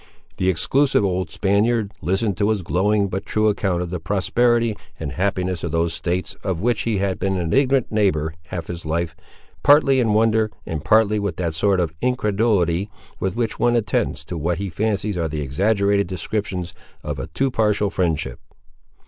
The exclusive old Spaniard listened to his glowing but true account of the prosperity and happiness of those States, of which he had been an ignorant neighbour half his life, partly in wonder, and partly with that sort of incredulity with which one attends to what he fancies are the exaggerated descriptions of a too partial friendship.